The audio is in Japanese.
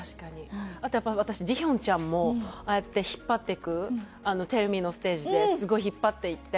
あとやっぱ私ジヒョンちゃんもああやって引っ張っていく『ＴｅｌｌＭｅ』のステージですごい引っ張っていって。